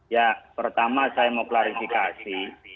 ya pertama saya mau klarifikasi